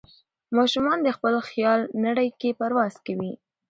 ماشومان د خپل خیال نړۍ کې پرواز کوي.